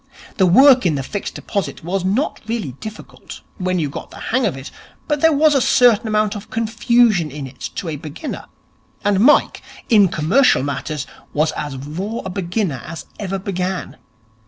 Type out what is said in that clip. The work in the Fixed Deposits was not really difficult, when you got the hang of it, but there was a certain amount of confusion in it to a beginner; and Mike, in commercial matters, was as raw a beginner as ever began.